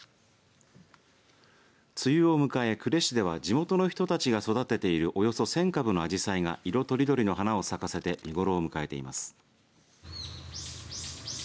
梅雨を迎え、呉市では地元の人たちが育てているおよそ１０００株のあじさいが色とりどりの花を咲かせて見頃を迎えています。